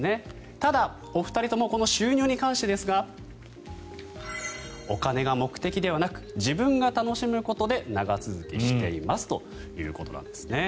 ただ、お二人ともこの収入に関してですがお金が目的ではなく自分が楽しむことで長続きしていますということです。